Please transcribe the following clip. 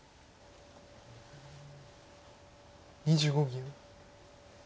２５秒。